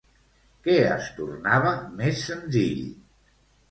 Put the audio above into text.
Què es tornava més senzill?